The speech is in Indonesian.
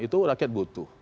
itu rakyat butuh